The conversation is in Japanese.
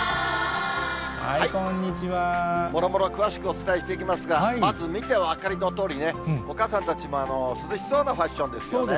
もろもろ詳しくお伝えしていきますが、まず見てお分かりのとおりね、お母さんたちも涼しそうなファッそうですね。